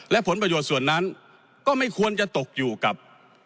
และผลประโยชน์ส่วนนั้นก็ไม่ควรจะตกอยู่กับ